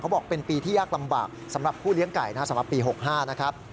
บอกเป็นปีที่ยากลำบากสำหรับผู้เลี้ยงไก่สำหรับปี๖๕นะครับ